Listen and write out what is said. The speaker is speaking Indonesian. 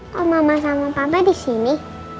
kok mama sama papa di sini